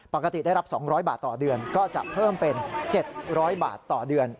ปกติได้รับ๒๐๐บาทต่อเดือนก็จะเพิ่มเป็น๗๐๐บาทต่อเดือน